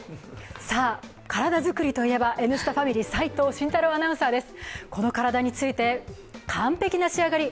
さあ、体作りといえば「Ｎスタ」ファミリー、齋藤慎太郎アナウンサーです。